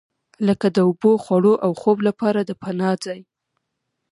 لکه د اوبو، خوړو او خوب لپاره د پناه ځای.